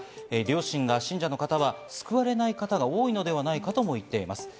両親が信者の方は救われない方が多いのではないかと言っています。